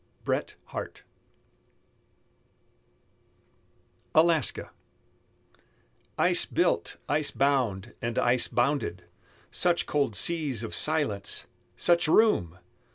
BRET HARTE. ALASKA Ice built, ice bound, and ice bounded, Such cold seas of silence! such room!